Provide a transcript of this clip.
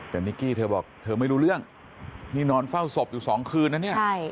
แต่นิกกี้เธอบอกเธอไม่รู้เรื่องนี่นอนเฝ้าศพอยู่สองคืนนะเนี่ย